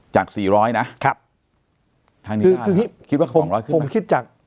จากสี่ร้อยนะครับคือคือคิดว่าสองร้อยขึ้นผมคิดจาก